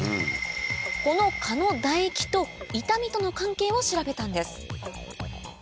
この蚊の唾液と痛みとの関係を調べたんです